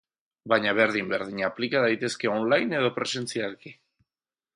baina berdin-berdin aplika daitezke online edo presentzialki.